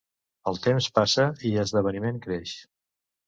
El temps passa i esdeveniment creix.